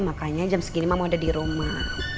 makanya jam segini mama udah di rumah